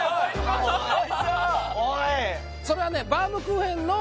それはね